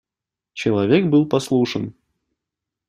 Человек был послушен.